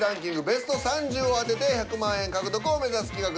ベスト３０を当てて１００万円獲得を目指す企画です。